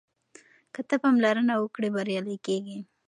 که ته پاملرنه وکړې بریالی کېږې.